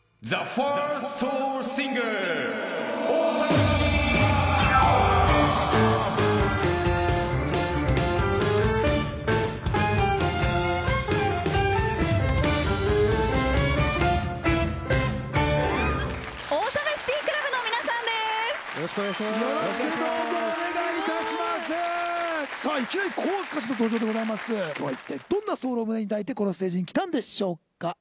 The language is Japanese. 今日はいったいどんなソウルを胸に抱いてこのステージに来たんでしょうか。